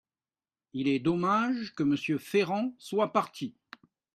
Il est dommage que Monsieur Ferrand soit parti.